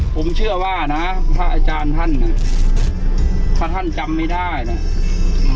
ผมเชื่อว่านะพระอาจารย์ท่านน่ะพระท่านจำไม่ได้น่ะอืม